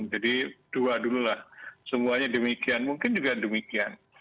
jadi dua dululah semuanya demikian mungkin juga demikian